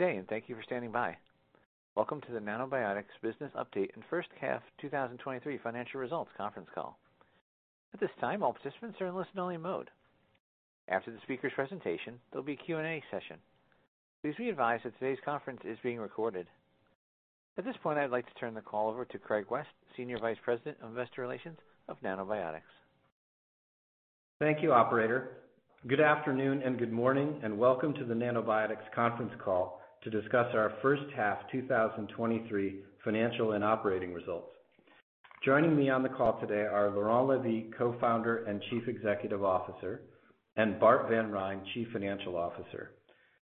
Good day, and thank you for standing by. Welcome to the Nanobiotix Business Update and First Half 2023 Financial Results conference call. At this time, all participants are in listen-only mode. After the speaker's presentation, there'll be a Q&A session. Please be advised that today's conference is being recorded. At this point, I'd like to turn the call over to Craig West, Senior Vice President of Investor Relations of Nanobiotix. Thank you, operator. Good afternoon, and good morning, and welcome to the Nanobiotix conference call to discuss our first half 2023 financial and operating results. Joining me on the call today are Laurent Lévy, Co-founder and Chief Executive Officer, and Bart van Rhijn, Chief Financial Officer.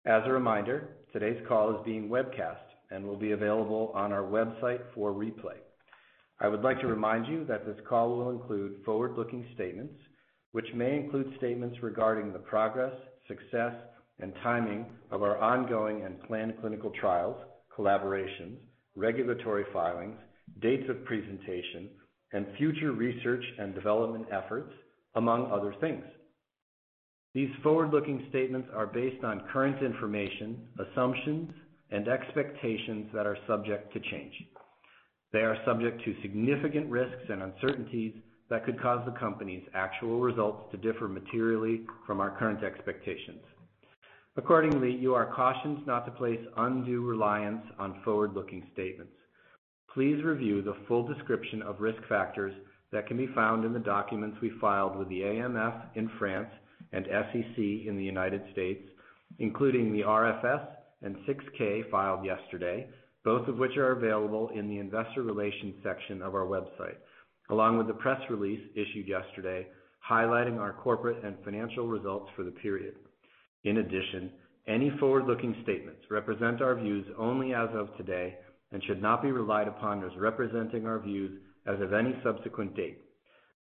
As a reminder, today's call is being webcast and will be available on our website for replay. I would like to remind you that this call will include forward-looking statements, which may include statements regarding the progress, success, and timing of our ongoing and planned clinical trials, collaborations, regulatory filings, dates of presentation, and future research and development efforts, among other things. These forward-looking statements are based on current information, assumptions, and expectations that are subject to change. They are subject to significant risks and uncertainties that could cause the company's actual results to differ materially from our current expectations. Accordingly, you are cautioned not to place undue reliance on forward-looking statements. Please review the full description of risk factors that can be found in the documents we filed with the AMF in France and SEC in the United States, including the RFS and 6-K filed yesterday, both of which are available in the investor relations section of our website, along with the press release issued yesterday, highlighting our corporate and financial results for the period. In addition, any forward-looking statements represent our views only as of today and should not be relied upon as representing our views as of any subsequent date.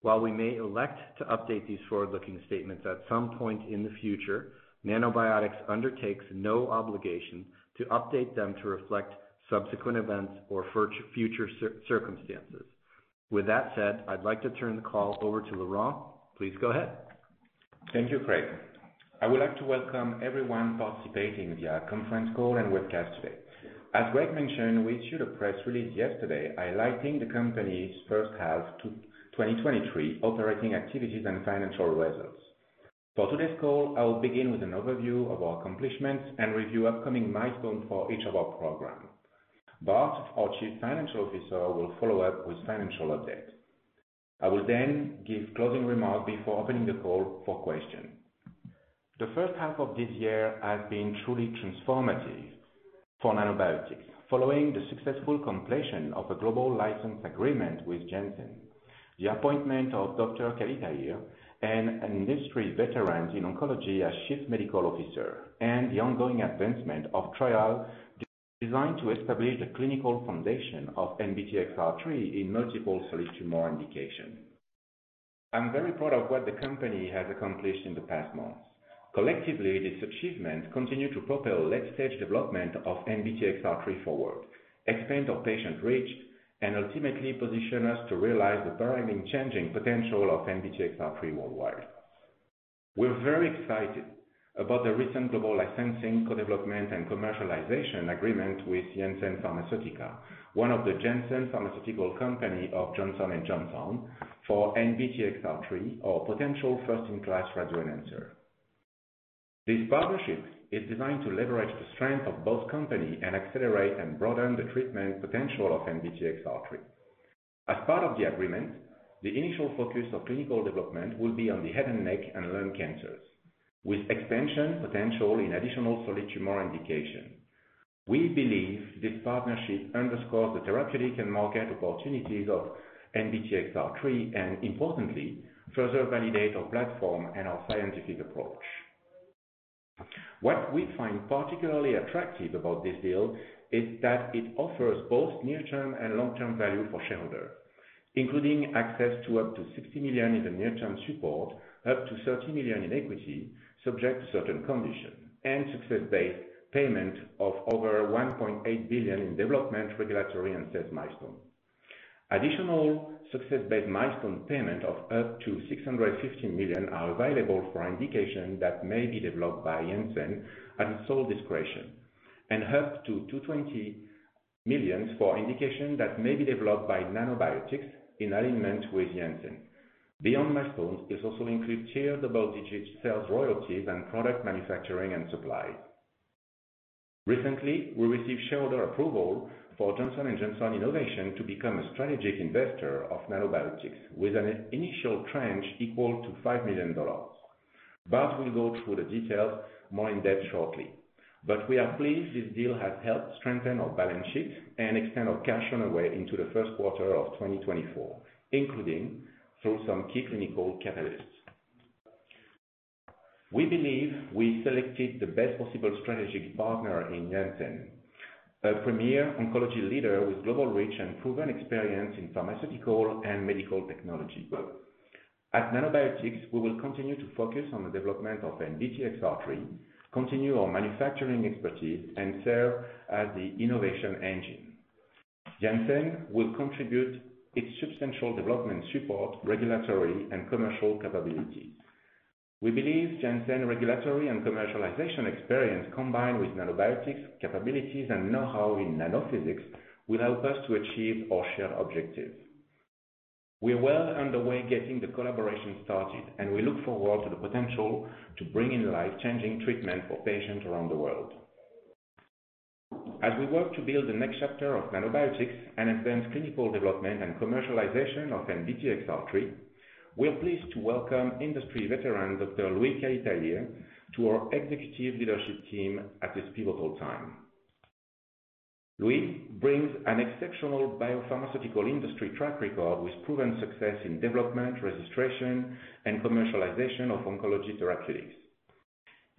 While we may elect to update these forward-looking statements at some point in the future, Nanobiotix undertakes no obligation to update them to reflect subsequent events or future circumstances. With that said, I'd like to turn the call over to Laurent. Please go ahead. Thank you, Craig. I would like to welcome everyone participating via conference call and webcast today. As Craig mentioned, we issued a press release yesterday highlighting the company's first half 2023 operating activities and financial results. For today's call, I will begin with an overview of our accomplishments and review upcoming milestones for each of our programs. Bart, our Chief Financial Officer, will follow up with financial updates. I will then give closing remarks before opening the call for questions. The first half of this year has been truly transformative for Nanobiotix. Following the successful completion of a global license agreement with Janssen, the appointment of Dr. Louis Kayitalire, and an industry veteran in oncology as Chief Medical Officer, and the ongoing advancement of trials designed to establish the clinical foundation of NBTXR3 in multiple solid tumor indications. I'm very proud of what the company has accomplished in the past months. Collectively, these achievements continue to propel late-stage development of NBTXR3 forward, expand our patient reach, and ultimately position us to realize the paradigm-changing potential of NBTXR3 worldwide. We're very excited about the recent global licensing, co-development, and commercialization agreement with Janssen Pharmaceutica, one of the Janssen Pharmaceutical Companies of Johnson & Johnson, for NBTXR3, our potential first-in-class radioenhancer. This partnership is designed to leverage the strength of both companies and accelerate and broaden the treatment potential of NBTXR3. As part of the agreement, the initial focus of clinical development will be on the head and neck and lung cancers, with expansion potential in additional solid tumor indications. We believe this partnership underscores the therapeutic and market opportunities of NBTXR3, and importantly, further validate our platform and our scientific approach. What we find particularly attractive about this deal is that it offers both near-term and long-term value for shareholders, including access to up to $60 million in the near-term support, up to $30 million in equity, subject to certain conditions, and success-based payment of over $1.8 billion in development, regulatory, and sales milestones. Additional success-based milestone payment of up to $650 million are available for indications that may be developed by Janssen at sole discretion, and up to $220 million for indications that may be developed by Nanobiotix in alignment with Janssen. Beyond milestones, this also includes tiered double-digit sales royalties, and product manufacturing and supply. Recently, we received shareholder approval for Johnson & Johnson Innovation to become a strategic investor of Nanobiotix with an initial tranche equal to $5 million. Bart will go through the details more in depth shortly, but we are pleased this deal has helped strengthen our balance sheet and extend our cash runway into the first quarter of 2024, including through some key clinical catalysts. We believe we selected the best possible strategic partner in Janssen, a premier oncology leader with global reach and proven experience in pharmaceutical and medical technology. At Nanobiotix, we will continue to focus on the development of NBTXR3, continue our manufacturing expertise, and serve as the innovation engine. Janssen will contribute its substantial development support, regulatory, and commercial capability. We believe Janssen regulatory and commercialization experience, combined with Nanobiotix capabilities and know-how in nanophysics, will help us to achieve our shared objectives. We are well underway getting the collaboration started, and we look forward to the potential to bring in life-changing treatment for patients around the world. As we work to build the next chapter of Nanobiotix and advance clinical development and commercialization of NBTXR3, we are pleased to welcome industry veteran, Dr. Louis Kayitalire, to our executive leadership team at this pivotal time. Louis brings an exceptional biopharmaceutical industry track record with proven success in development, registration, and commercialization of oncology therapeutics.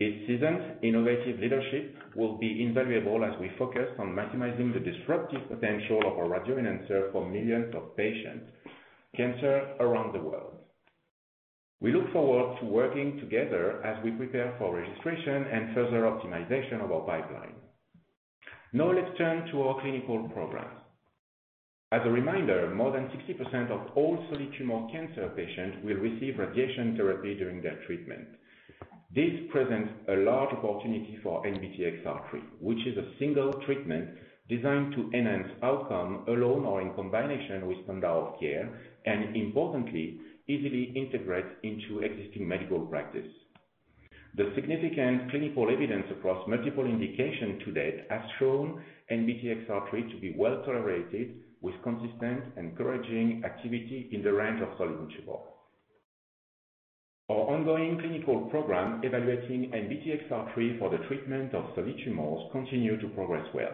His seasoned, innovative leadership will be invaluable as we focus on maximizing the disruptive potential of our radioenhancer for millions of patients with cancer around the world. We look forward to working together as we prepare for registration and further optimization of our pipeline. Now let's turn to our clinical programs. As a reminder, more than 60% of all solid tumor cancer patients will receive radiation therapy during their treatment. This presents a large opportunity for NBTXR3, which is a single treatment designed to enhance outcome alone or in combination with standard of care, and importantly, easily integrate into existing medical practice. The significant clinical evidence across multiple indications to date has shown NBTXR3 to be well tolerated, with consistent, encouraging activity in the range of solid tumors. Our ongoing clinical program evaluating NBTXR3 for the treatment of solid tumors continue to progress well,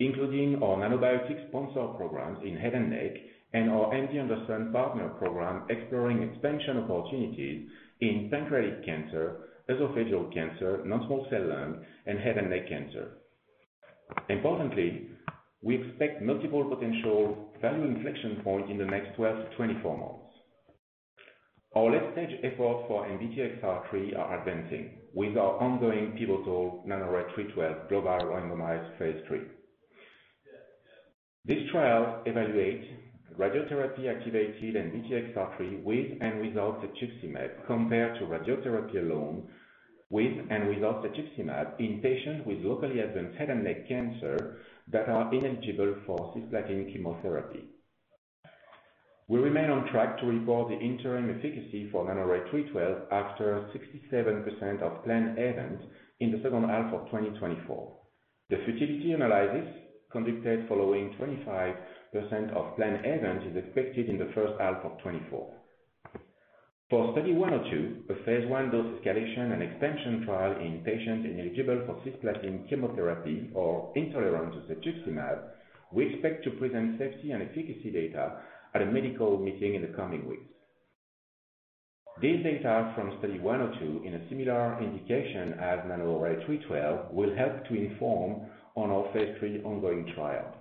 including our Nanobiotix sponsor programs in head and neck, and our MD Anderson partner program, exploring expansion opportunities in pancreatic cancer, esophageal cancer, non-small cell lung, and head and neck cancer. Importantly, we expect multiple potential value inflection points in the next 12-24 months. Our late-stage efforts for NBTXR3 are advancing, with our ongoing pivotal NANORAY-312 global randomized phase 3. This trial evaluates radiotherapy activated NBTXR3 with and without cetuximab, compared to radiotherapy alone with and without cetuximab, in patients with locally advanced head and neck cancer that are ineligible for cisplatin chemotherapy. We remain on track to report the interim efficacy for NANORAY-312 after 67% of planned events in the second half of 2024. The futility analysis conducted following 25% of planned events is expected in the first half of 2024. For Study 102, a phase 1 dose escalation and expansion trial in patients ineligible for cisplatin chemotherapy, or intolerant to cetuximab, we expect to present safety and efficacy data at a medical meeting in the coming weeks. These data from Study 102, in a similar indication as NANORAY-312, will help to inform on our phase 3 ongoing trial.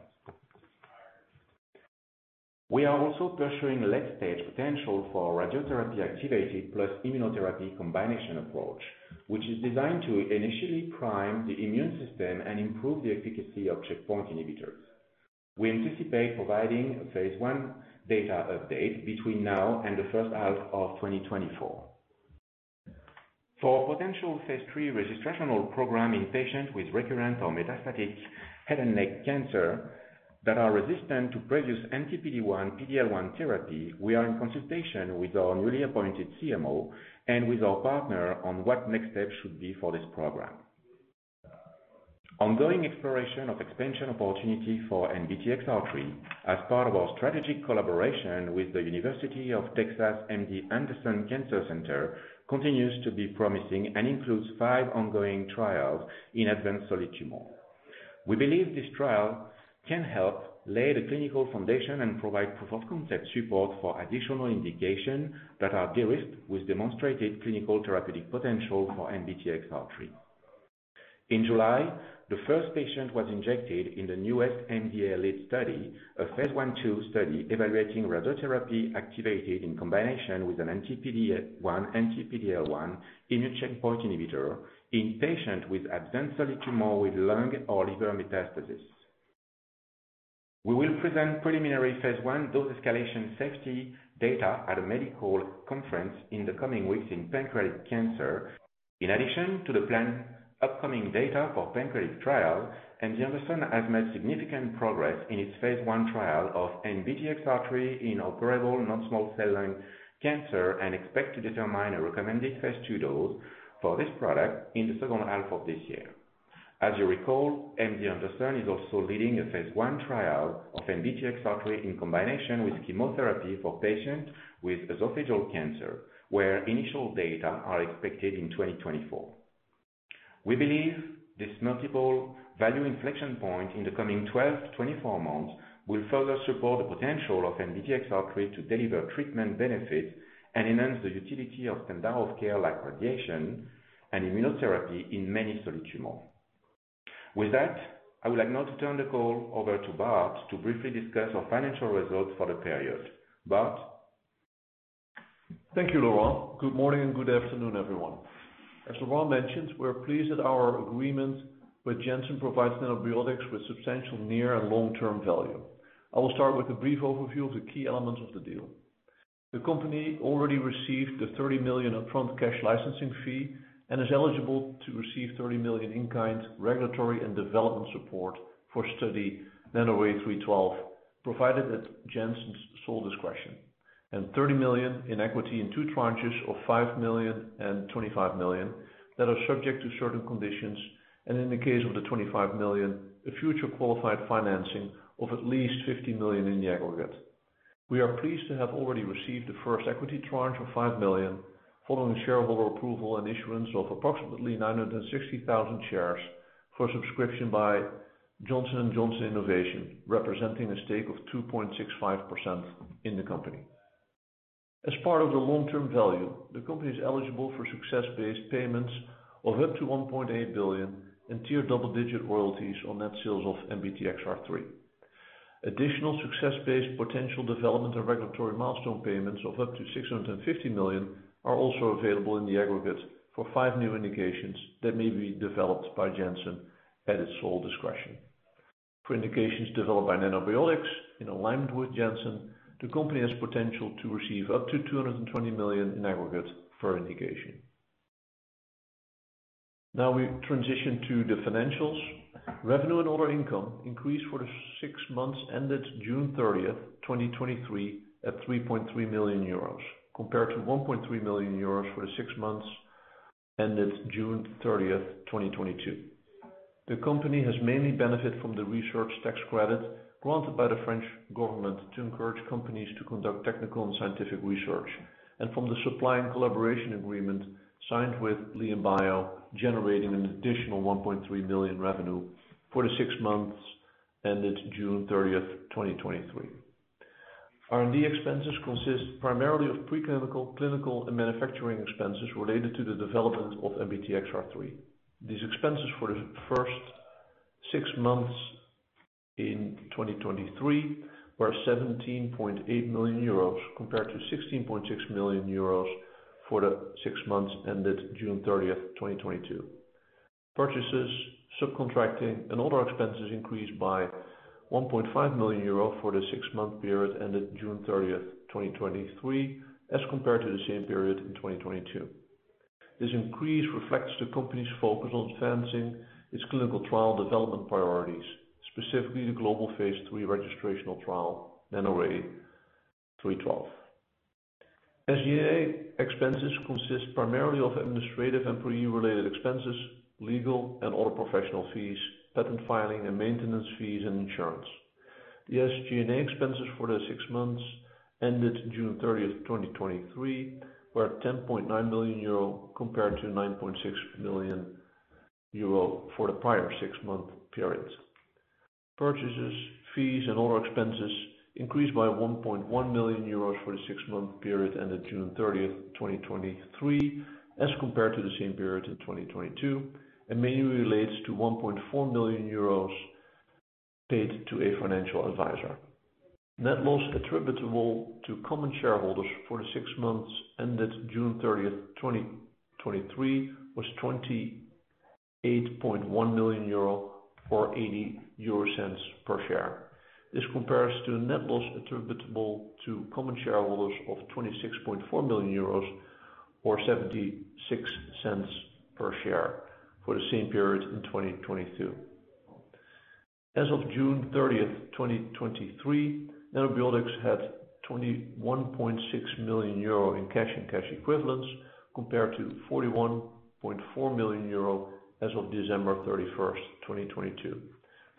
We are also pursuing late-stage potential for radiotherapy activated plus immunotherapy combination approach, which is designed to initially prime the immune system and improve the efficacy of checkpoint inhibitors. We anticipate providing a phase 1 data update between now and the first half of 2024. For potential phase 3 registrational program in patients with recurrent or metastatic head and neck cancer that are resistant to previous anti-PD-1, PD-L1 therapy, we are in consultation with our newly appointed CMO and with our partner on what next steps should be for this program. Ongoing exploration of expansion opportunity for NBTXR3 as part of our strategic collaboration with The University of Texas MD Anderson Cancer Center, continues to be promising and includes 5 ongoing trials in advanced solid tumor. We believe this trial can help lay the clinical foundation and provide proof of concept support for additional indications that are de-risked, with demonstrated clinical therapeutic potential for NBTXR3. In July, the first patient was injected in the newest MDA-led study, a phase 1/2 study, evaluating radiotherapy activated in combination with an anti-PD-1, anti-PD-L1 immune checkpoint inhibitor in patients with advanced solid tumor with lung or liver metastasis. We will present preliminary phase 1 dose escalation safety data at a medical conference in the coming weeks in pancreatic cancer. In addition to the planned upcoming data for pancreatic trial, MD Anderson has made significant progress in its phase 1 trial of NBTXR3 in operable non-small cell lung cancer, and expect to determine a recommended phase 2 dose for this product in the second half of this year. As you recall, MD Anderson is also leading a phase 1 trial of NBTXR3 in combination with chemotherapy for patients with esophageal cancer, where initial data are expected in 2024. We believe these multiple value inflection points in the coming 12-24 months will further support the potential of NBTXR3 to deliver treatment benefits, and enhance the utility of standard of care, like radiation and immunotherapy, in many solid tumors. With that, I would like now to turn the call over to Bart, to briefly discuss our financial results for the period. Bart? Thank you, Laurent. Good morning, and good afternoon, everyone. As Laurent mentioned, we're pleased that our agreement with Janssen provides Nanobiotix with substantial near and long-term value. I will start with a brief overview of the key elements of the deal. The company already received the $30 million upfront cash licensing fee and is eligible to receive $30 million in-kind regulatory and development support for Study NANORAY-312, provided at Janssen's sole discretion, and $30 million in equity in two tranches of $5 million and $25 million, that are subject to certain conditions, and in the case of the $25 million, a future qualified financing of at least $50 million in the aggregate. We are pleased to have already received the first equity tranche of $5 million, following shareholder approval and issuance of approximately 960,000 shares for subscription by Johnson & Johnson Innovation, representing a stake of 2.65% in the company. As part of the long-term value, the company is eligible for success-based payments of up to $1.8 billion and tier double-digit royalties on net sales of NBTXR3. Additional success-based potential development and regulatory milestone payments of up to $650 million are also available in the aggregate for 5 new indications that may be developed by Janssen at its sole discretion. For indications developed by Nanobiotix, in alignment with Janssen, the company has potential to receive up to $220 million in aggregate per indication. Now, we transition to the financials. Revenue and other income increased for the six months ended June 30, 2023, at 3.3 million euros, compared to 1.3 million euros for the six months ended June 30, 2022. The company has mainly benefited from the research tax credit granted by the French government to encourage companies to conduct technical and scientific research, and from the supply and collaboration agreement signed with LianBio, generating an additional 1.3 million revenue for the six months ended June 30, 2023. R&D expenses consist primarily of preclinical, clinical, and manufacturing expenses related to the development of NBTXR3. These expenses for the first six months in 2023, were 17.8 million euros, compared to 16.6 million euros for the six months ended June 30, 2022. Purchases, subcontracting, and other expenses increased by 1.5 million euro for the six-month period ended June 30, 2023, as compared to the same period in 2022. This increase reflects the company's focus on advancing its clinical trial development priorities, specifically the global phase 3 registrational trial, NANORAY-312. SG&A expenses consist primarily of administrative employee-related expenses, legal and other professional fees, patent filing and maintenance fees, and insurance. The SG&A expenses for the six months ended June 30, 2023, were 10.9 million euro, compared to 9.6 million euro for the prior six-month period. Purchases, fees, and other expenses increased by 1.1 million euros for the six-month period ended June 30, 2023, as compared to the same period in 2022, and mainly relates to 1.4 million euros paid to a financial advisor. Net loss attributable to common shareholders for the six months ended June 30, 2023, was 28.1 million euro, or 0.80 per share. This compares to net loss attributable to common shareholders of 26.4 million euros or 0.76 per share for the same period in 2022. As of June 30, 2023, Nanobiotix had 21.6 million euro in cash and cash equivalents, compared to 41.4 million euro as of December 31, 2022.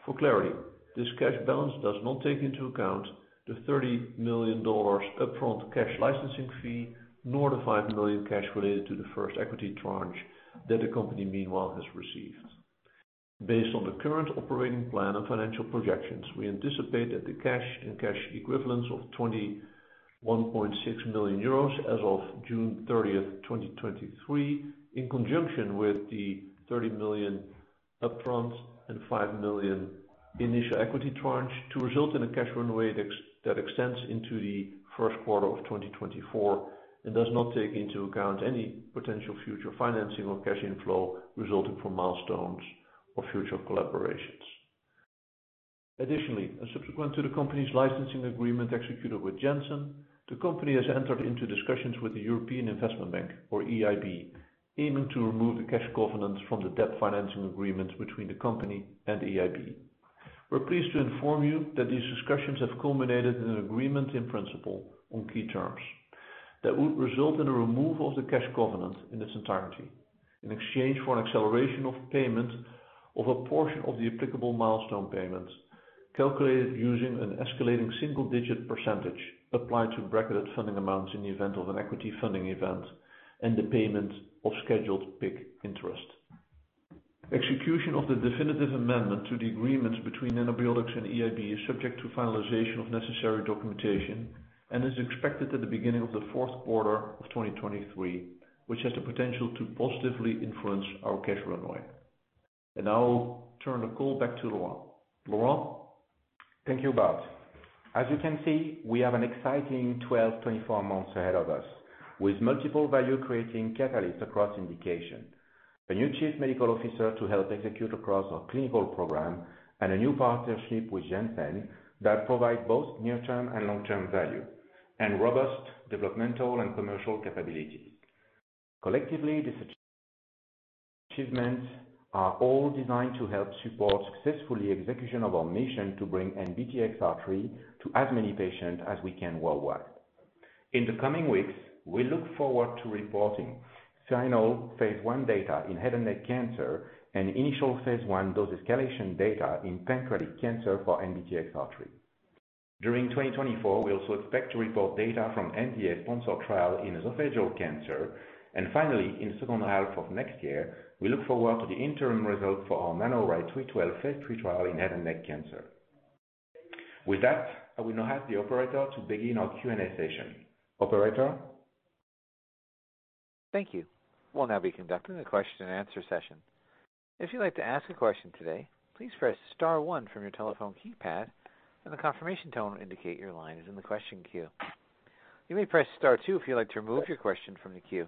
For clarity, this cash balance does not take into account the $30 million upfront cash licensing fee, nor the $5 million cash related to the first equity tranche that the company meanwhile has received. Based on the current operating plan and financial projections, we anticipate that the cash and cash equivalents of 21.6 million euros as of June 30, 2023, in conjunction with the 30 million upfront and 5 million initial equity tranche, to result in a cash runway that extends into the first quarter of 2024, and does not take into account any potential future financing or cash inflow resulting from milestones or future collaborations. Additionally, subsequent to the company's licensing agreement executed with Janssen, the company has entered into discussions with the European Investment Bank, or EIB, aiming to remove the cash covenant from the debt financing agreement between the company and EIB. We're pleased to inform you that these discussions have culminated in an agreement in principle on key terms that would result in the removal of the cash covenant in its entirety, in exchange for an acceleration of payment of a portion of the applicable milestone payment, calculated using an escalating single-digit percentage applied to bracketed funding amounts in the event of an equity funding event and the payment of scheduled PIK interest. Execution of the definitive amendment to the agreements between Nanobiotix and EIB is subject to finalization of necessary documentation and is expected at the beginning of the fourth quarter of 2023, which has the potential to positively influence our cash runway. Now I'll turn the call back to Laurent. Laurent? Thank you, Bart. As you can see, we have an exciting 12-24 months ahead of us, with multiple value-creating catalysts across indication. A new chief medical officer to help execute across our clinical program, and a new partnership with Janssen that provide both near-term and long-term value, and robust developmental and commercial capabilities. Collectively, these achievements are all designed to help support successfully execution of our mission to bring NBTXR3 to as many patients as we can worldwide. In the coming weeks, we look forward to reporting final phase 1 data in head and neck cancer, and initial phase 1 dose escalation data in pancreatic cancer for NBTXR3. During 2024, we also expect to report data from MDA-sponsored trial in esophageal cancer, and finally, in the second half of next year, we look forward to the interim results for our NANORAY-312 phase 3 trial in head and neck cancer. With that, I will now ask the operator to begin our Q&A session. Operator? Thank you. We'll now be conducting a question and answer session. If you'd like to ask a question today, please press star one from your telephone keypad, and a confirmation tone will indicate your line is in the question queue. You may press star two if you'd like to remove your question from the queue.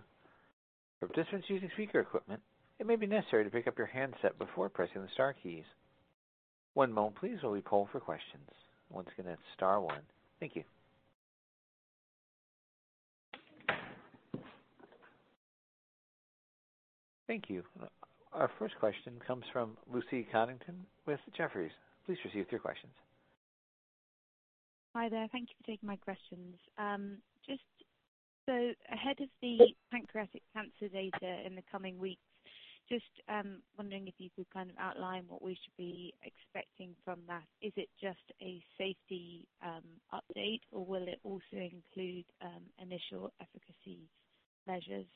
For participants using speaker equipment, it may be necessary to pick up your handset before pressing the star keys. One moment please, while we poll for questions. Once again, it's star one. Thank you. Thank you. Our first question comes from Lucy Coddington with Jefferies. Please proceed with your questions. Hi there. Thank you for taking my questions. Just so ahead of the pancreatic cancer data in the coming weeks, just wondering if you could kind of outline what we should be expecting from that. Is it just a safety update, or will it also include initial efficacy measures?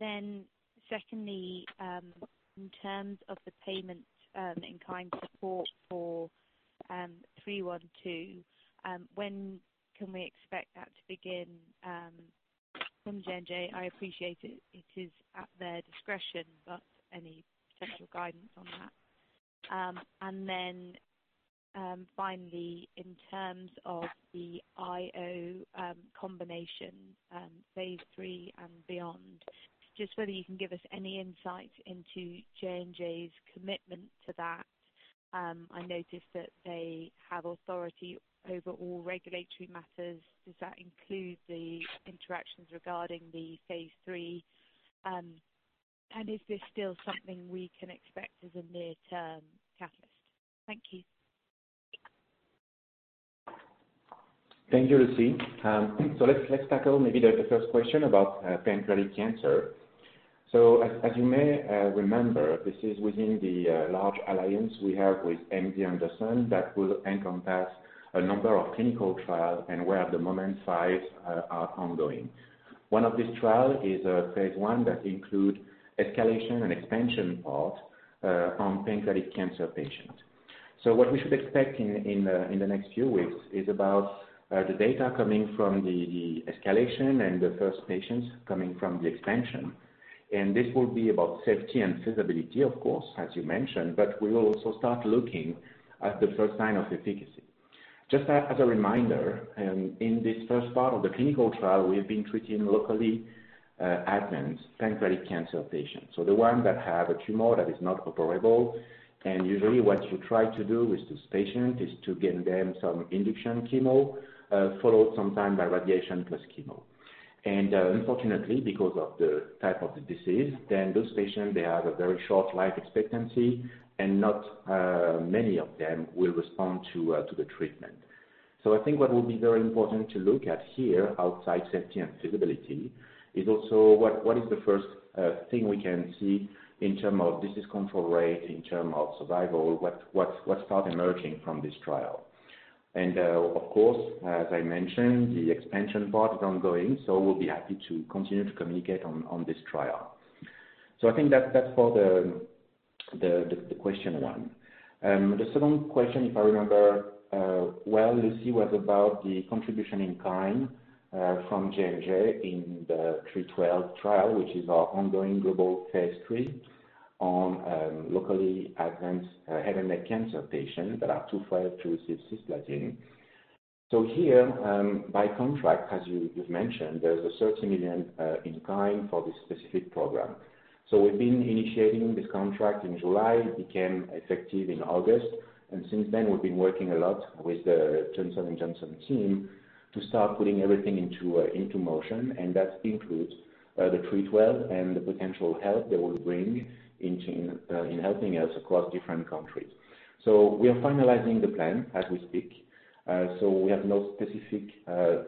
Then secondly, in terms of the payment in kind support for 312, when can we expect that to begin from JNJ? I appreciate it, it is at their discretion, but any potential guidance on that. And then finally, in terms of the IO combination phase 3 and beyond, just whether you can give us any insight into JNJ's commitment to that. I noticed that they have authority over all regulatory matters. Does that include the interactions regarding the phase 3, and is this still something we can expect as a near-term catalyst? Thank you. Thank you, Lucy. So let's tackle maybe the first question about pancreatic cancer. So as you may remember, this is within the large alliance we have with MD Anderson that will encompass a number of clinical trials, and where at the moment, five are ongoing. One of these trial is a phase one that include escalation and expansion part on pancreatic cancer patient. So what we should expect in the next few weeks is about the data coming from the escalation and the first patients coming from the expansion. And this will be about safety and feasibility, of course, as you mentioned, but we will also start looking at the first line of efficacy. Just as a reminder, in this first part of the clinical trial, we've been treating locally advanced pancreatic cancer patients. So the ones that have a tumor that is not operable, and usually what you try to do with this patient is to give them some induction chemo, followed sometime by radiation plus chemo. And unfortunately, because of the type of the disease, then those patients, they have a very short life expectancy and not many of them will respond to the treatment. So I think what will be very important to look at here, outside safety and feasibility, is also what is the first thing we can see in terms of disease control rate, in terms of survival, what starts emerging from this trial? Of course, as I mentioned, the expansion part is ongoing, so we'll be happy to continue to communicate on this trial. So I think that's for the question one. The second question, if I remember, well, Lucy, was about the contribution in kind from JNJ in the 312 trial, which is our ongoing global phase 3 on locally advanced head and neck cancer patients that are too far to receive cisplatin. So here, by contract, as you've mentioned, there's a $30 million in kind for this specific program. So we've been initiating this contract in July, it became effective in August, and since then we've been working a lot with the Johnson & Johnson team to start putting everything into motion, and that includes the 312 and the potential help they will bring in helping us across different countries. So we are finalizing the plan as we speak. So we have no specific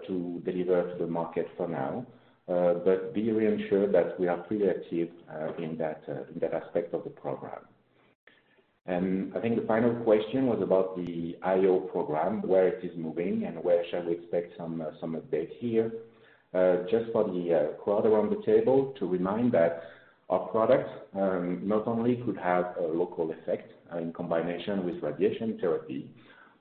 to deliver to the market for now, but be reassured that we are pretty active in that aspect of the program. And I think the final question was about the IO program, where it is moving and where shall we expect some update here. Just for the crowd around the table, to remind that our product not only could have a local effect in combination with radiation therapy,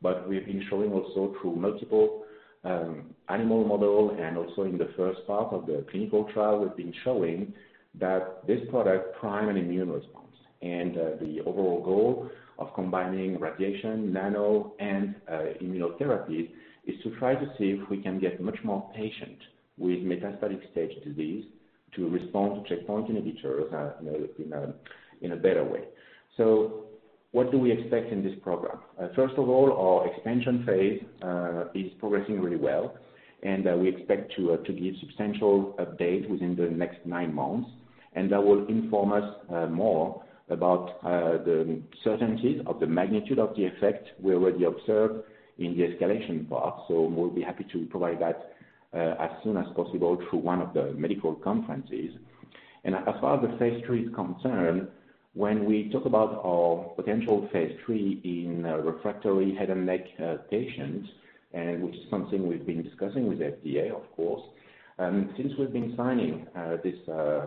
but we've been showing also through multiple animal model and also in the first part of the clinical trial, we've been showing that this product prime an immune response. And the overall goal of combining radiation, nano, and immunotherapies is to try to see if we can get much more patient with metastatic stage disease to respond to checkpoint inhibitors in a better way. So, what do we expect in this program? First of all, our expansion phase is progressing really well, and we expect to give substantial update within the next nine months, and that will inform us more about the certainties of the magnitude of the effect we already observed in the escalation part. So we'll be happy to provide that as soon as possible through one of the medical conferences. As far as the phase 3 is concerned, when we talk about our potential phase 3 in refractory head and neck patients, and which is something we've been discussing with FDA, of course, and since we've been signing this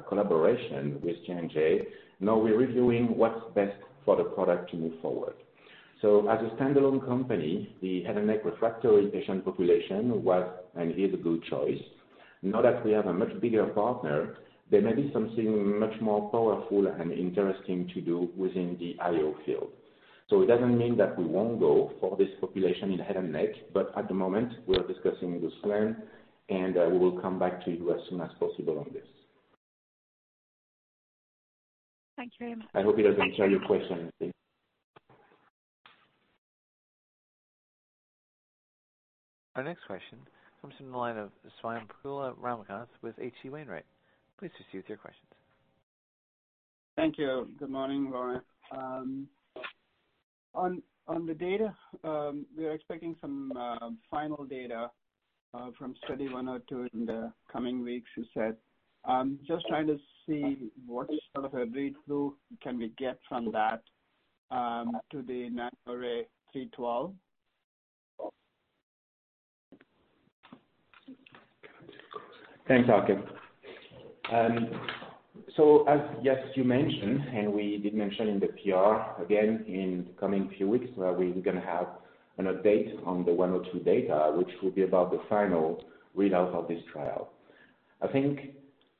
collaboration with J&J, now we're reviewing what's best for the product to move forward. So as a standalone company, the head and neck refractory patient population was and is a good choice. Now that we have a much bigger partner, there may be something much more powerful and interesting to do within the IO field. So it doesn't mean that we won't go for this population in head and neck, but at the moment, we are discussing this plan, and we will come back to you as soon as possible on this. Thank you very much. I hope it answers your question. Our next question comes from the line of Swayampakula Ramakanth with H.C. Wainwright. Please proceed with your questions. Thank you. Good morning, Laurent. On the data, we are expecting some final data from Study 102 in the coming weeks, you said. I'm just trying to see what sort of a read-through can we get from that to the NANORAY-312? Thanks, Rakin. So as yes, you mentioned, and we did mention in the PR, again, in the coming few weeks, where we're gonna have an update on the 102 data, which will be about the final readout of this trial. I think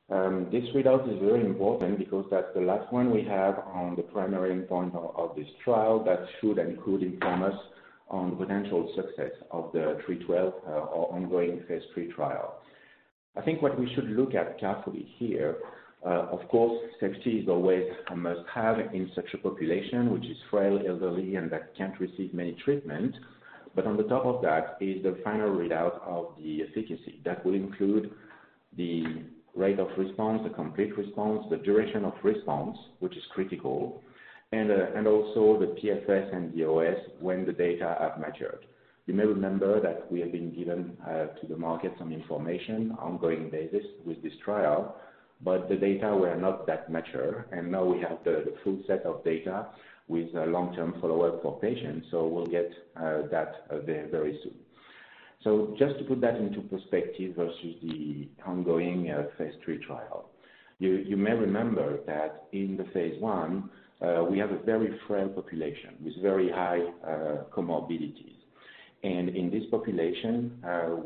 this readout is very important because that's the last one we have on the primary endpoint of this trial. That should and could inform us on the potential success of the 312 or ongoing phase 3 trial. I think what we should look at carefully here, of course, safety is always a must-have in such a population, which is frail, elderly, and that can't receive many treatment. But on the top of that is the final readout of the efficacy. That will include the rate of response, the complete response, the duration of response, which is critical, and also the PFS and the OS, when the data have matured. You may remember that we have been giving to the market some information, ongoing basis with this trial, but the data were not that mature, and now we have the full set of data with a long-term follow-up for patients, so we'll get that very, very soon. So just to put that into perspective versus the ongoing phase 3 trial. You may remember that in the phase 1, we have a very frail population with very high comorbidities. And in this population,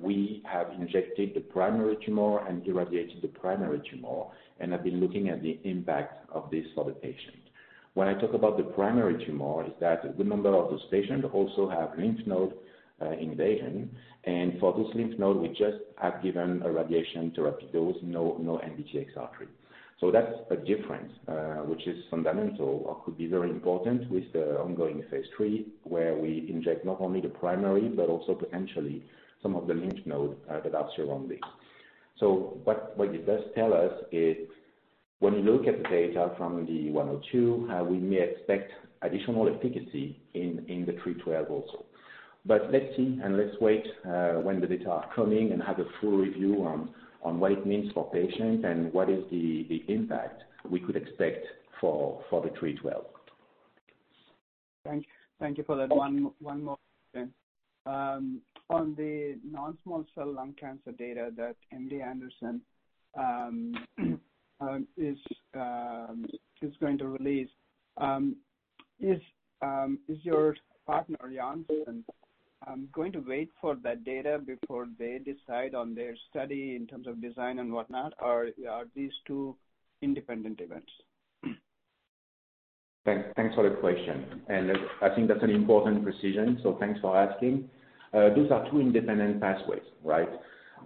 we have injected the primary tumor and irradiated the primary tumor and have been looking at the impact of this for the patient. When I talk about the primary tumor, is that a good number of those patients also have lymph node invasion, and for this lymph node, we just have given a radiation therapy dose, no, no NBTXR3. So that's a difference, which is fundamental or could be very important with the ongoing phase 3, where we inject not only the primary, but also potentially some of the lymph node that are surrounding. So but what it does tell us is, when you look at the data from the 1 or 2, we may expect additional efficacy in, in the 312 also. But let's see, and let's wait, when the data are coming and have a full review on, on what it means for patients and what is the, the impact we could expect for, for the 312. Thank you for that. One more thing. On the non-small cell lung cancer data that MD Anderson is going to release, is your partner, Janssen, going to wait for that data before they decide on their study in terms of design and whatnot, or are these two independent events? Thanks. Thanks for the question, and I think that's an important precision, so thanks for asking. These are two independent pathways, right?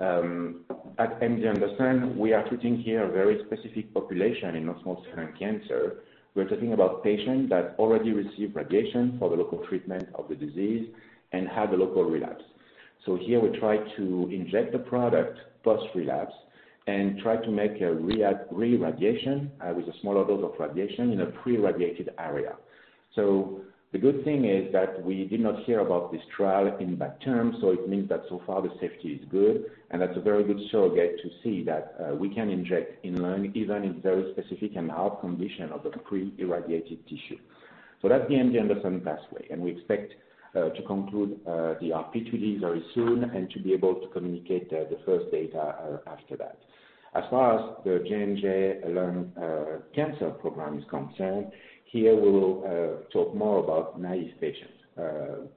At MD Anderson, we are treating here a very specific population in non-small cell lung cancer. We're talking about patients that already received radiation for the local treatment of the disease and have a local relapse. So here we try to inject the product post-relapse and try to make a reirradiation with a smaller dose of radiation in a pre-irradiated area. So the good thing is that we did not hear about this trial in that term, so it means that so far the safety is good, and that's a very good surrogate to see that we can inject in lung, even in very specific and hard condition of the pre-irradiated tissue. So that's the MD Anderson pathway, and we expect to conclude the RP2D very soon and to be able to communicate the first data after that. As far as the JNJ lung cancer program is concerned, here we'll talk more about naive patients,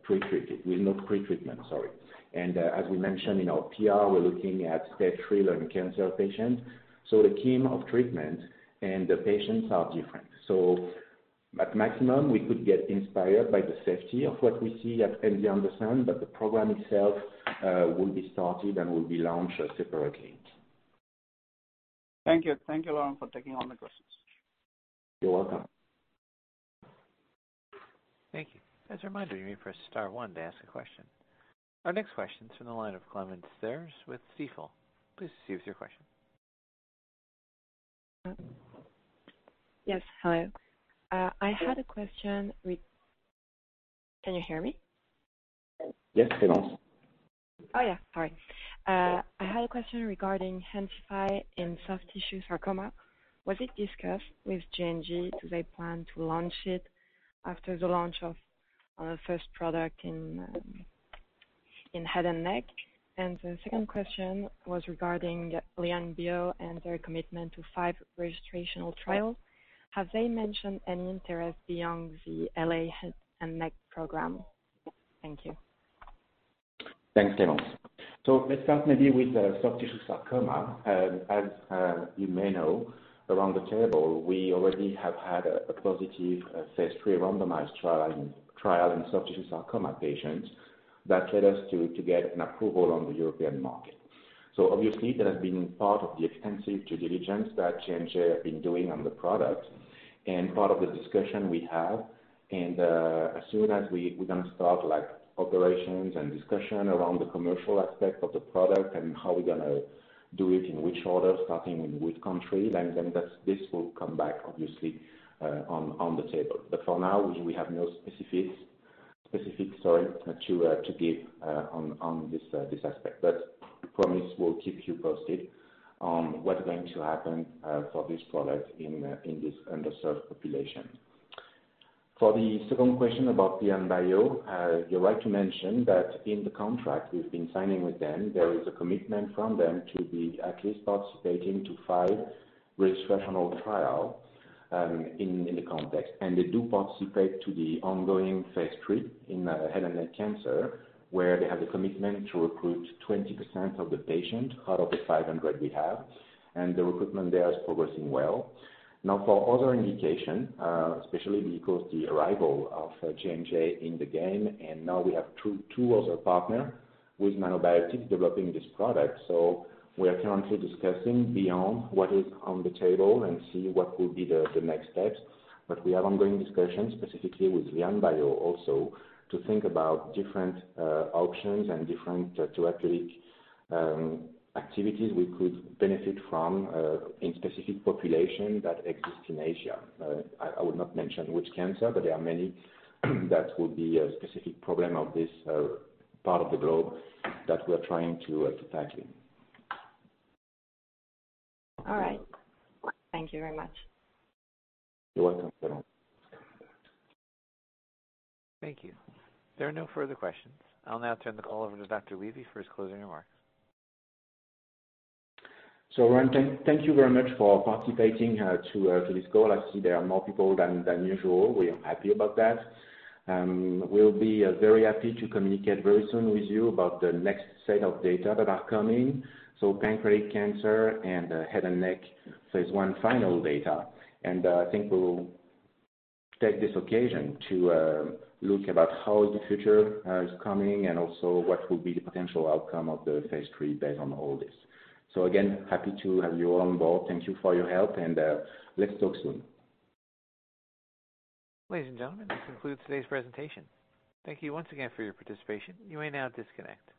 pretreated with no pretreatment, sorry. As we mentioned in our PR, we're looking at stage 3 lung cancer patients, so the scheme of treatment and the patients are different. So at maximum, we could get inspired by the safety of what we see at MD Anderson, but the program itself will be started and will be launched separately. Thank you. Thank you, Laurent, for taking all the questions. You're welcome. Thank you. As a reminder, you may press star one to ask a question. Our next question is from the line of Clemence Thiers with CFIL. Please proceed with your question. Yes, hello. I had a question. Can you hear me? Yes, Clemence. Oh, yeah. Sorry. I had a question regarding Hensify in soft tissue sarcoma. Was it discussed with J&J? Do they plan to launch it after the launch of the first product in head and neck? The second question was regarding LianBio and their commitment to five registrational trials. Have they mentioned any interest beyond the LA head and neck program? Thank you. Thanks, Clemence. So let's start maybe with the soft tissue sarcoma. As you may know, around the table, we already have had a positive phase 3 randomized trial in soft tissue sarcoma patients that led us to get an approval on the European market. So obviously, that has been part of the extensive due diligence that J&J have been doing on the product and part of the discussion we have. As soon as we're going to start, like, operations and discussion around the commercial aspect of the product and how we're going to do it, in which order, starting in which country, then this will come back, obviously, on the table. But for now, we have no specifics, sorry, to give on this aspect. But we promise we'll keep you posted on what's going to happen for this product in this underserved population. For the second question about LianBio, you're right to mention that in the contract we've been signing with them, there is a commitment from them to be at least participating to five registrational trial in the context. And they do participate to the ongoing phase 3 in head and neck cancer, where they have a commitment to recruit 20% of the patient out of the 500 we have, and the recruitment there is progressing well. Now, for other indication, especially because the arrival of J&J in the game, and now we have two other partner with Nanobiotix developing this product. So we are currently discussing beyond what is on the table and see what will be the next steps. But we have ongoing discussions, specifically with LianBio also, to think about different options and different therapeutic activities we could benefit from in specific population that exist in Asia. I will not mention which cancer, but there are many that will be a specific problem of this part of the globe that we're trying to tackle. All right. Thank you very much. You're welcome, Clemence. Thank you. There are no further questions. I'll now turn the call over to Dr. Lévy for his closing remarks. Thank you very much for participating to this call. I see there are more people than usual. We are happy about that. We'll be very happy to communicate very soon with you about the next set of data that are coming. So pancreatic cancer and head and neck phase 1 final data. And I think we'll take this occasion to look about how the future is coming and also what will be the potential outcome of the phase 3 based on all this. So again, happy to have you all on board. Thank you for your help, and let's talk soon. Ladies and gentlemen, this concludes today's presentation. Thank you once again for your participation. You may now disconnect.